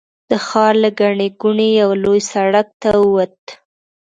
د ښار له ګڼې ګوڼې یوه لوی سړک ته ووت.